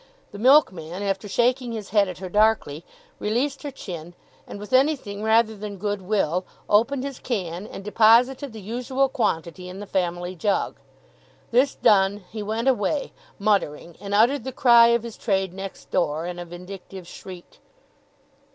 The milkman, after shaking his head at her darkly, released her chin, and with anything rather than good will opened his can, and deposited the usual quantity in the family jug. This done, he went away, muttering, and uttered the cry of his trade next door, in a vindictive shriek.